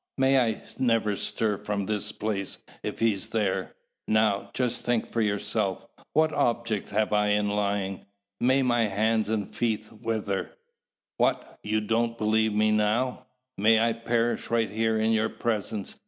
May I never stir from this place if he's there! Now, just think for yourself, what object have I in lying? May my hands and feet wither! What, don't you believe me now? May I perish right here in your presence!